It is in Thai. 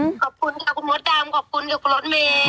ขอบคุณค่ะคุณมถดามขอบคุณคุณโอ๊นเม้